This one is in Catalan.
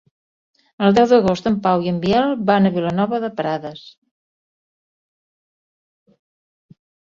El deu d'agost en Pau i en Biel van a Vilanova de Prades.